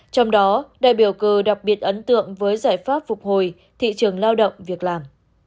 trong đó đại biểu cờ đặc biệt ấn tượng với giải pháp phục hồi thị trường lao động việc làm